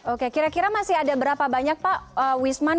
oke kira kira masih ada berapa banyak pak wisman